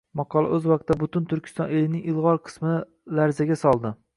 Maqola o'z vaqtida butun Turkiston elining ilg'or qismini larzaga soldi